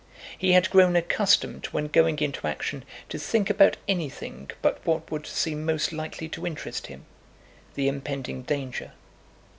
He had grown accustomed when going into action to think about anything but what would seem most likely to interest him—the impending danger.